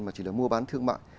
mà chỉ là mua bán thương mại